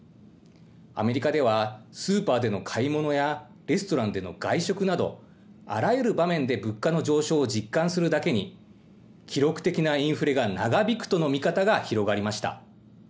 アメリカでは、スーパーでの買い物やレストランでの外食など、あらゆる場面で物価の上昇を実感するだけに、記録的なインフレが長引くとの見方が広がりました。